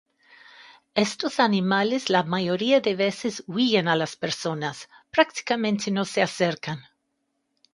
Estos animales la mayoría de veces huyen a las personas, prácticamente no se acercan.